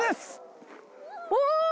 お！